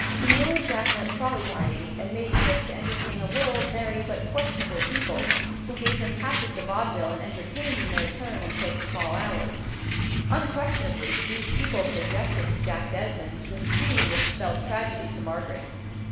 Camille and Jack went trolley riding, and made shift to entertain a little, merry but questionable people, who gave them passes to vaudeville and entertained in their turn until the small hours. Unquestionably these people suggested to Jack Desmond the scheme which spelled tragedy to Margaret.